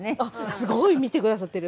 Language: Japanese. すごい見てくださってる。